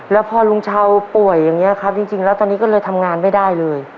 แล้วพอลุงเช้าป่วยอย่างนี้ครับจริงแล้วตอนนี้ก็เลยทำงานไม่ได้เลย